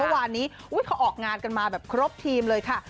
เมื่อวานนี้เขาออกงานกันมาแบบครบทีมเลยค่ะ